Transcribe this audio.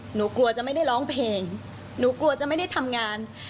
หนูกลัวจะไม่ได้ร้องเพลงหนูกลัวจะไม่ได้ทำงาน